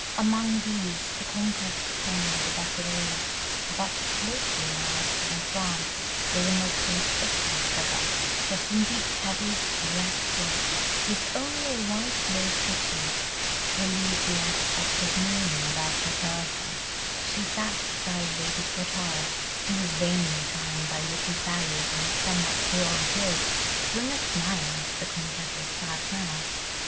Among these the Comtesse de Tournay de Basserive, but lately arrived from France, was a most conspicuous figure: dressed in deep, heavy black silk, with only a white lace kerchief to relieve the aspect of mourning about her person, she sat beside Lady Portarles, who was vainly trying by witty sallies and somewhat broad jokes, to bring a smile to the Comtesse's sad mouth.